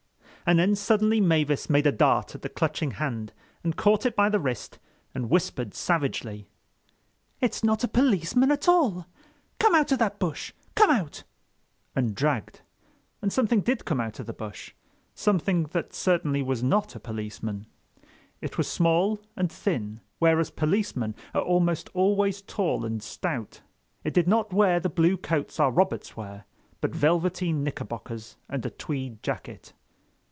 And then suddenly Mavis made a dart at the clutching hand and caught it by the wrist and whispered savagely: "It's not a policeman at all. Come out of that bush—come out," and dragged. And something did come out of the bush. Something that certainly was not a policeman. It was small and thin, whereas policemen are almost always tall and stout. It did not wear the blue coats our Roberts wear, but velveteen knickerbockers and a tweed jacket.